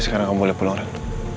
sekarang kamu boleh pulang